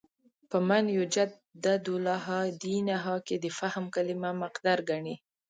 په «مَن یُجَدِّدُ لَهَا دِینَهَا» کې د «فهم» کلمه مقدر ګڼي.